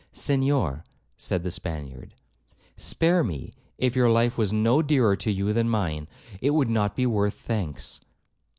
'Senhor,' said the Spaniard, 'spare me; if your life was no dearer to you than mine, it would not be worth thanks.'